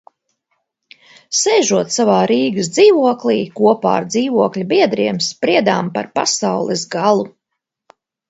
Sēžot savā Rīgas dzīvoklī, kopā ar dzīvokļa biedriem spriedām par pasaules galu.